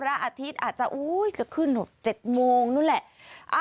ละอาทิตย์อาจจะอุ้ยก็ขึ้นเหรอ๗โมงนู่นแหละ